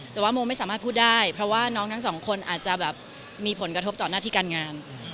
แต่ว่าโมไม่สามารถพูดได้เพราะว่าน้องทั้งสองคนอาจจะแบบมีผลกระทบต่อหน้าที่การงาน